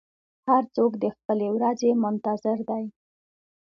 هر څوک د خپلې ورځې منتظر دی.